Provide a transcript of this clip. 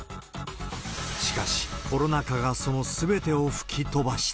しかし、コロナ禍がそのすべてを吹き飛ばした。